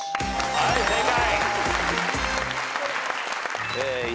はい正解。